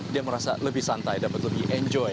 dia merasa lebih santai dapat lebih enjoy